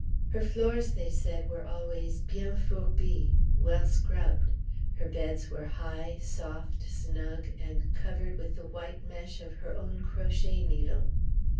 Her floors, they said, were always bien fourbis (well scrubbed); her beds were high, soft, snug, and covered with the white mesh of her own crochet needle.